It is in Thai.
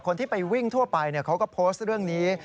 คนที่ไปวิ่งทั่วไปเขาก็โพสต์เรื่องนี้